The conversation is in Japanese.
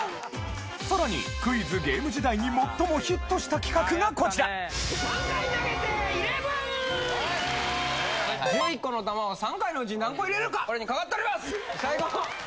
さらにクイズ＆ゲーム時代に最もヒットした企画がこちら１１個の玉を３回のうちに何個入れるかこれにかかっております！